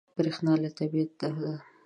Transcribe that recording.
برېښنا له طبیعت ده.